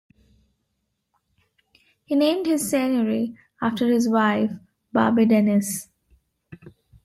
He named his seigniory after his wife, Barbe Denys.